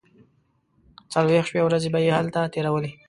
څلوېښت شپې او ورځې به یې هلته تیرولې.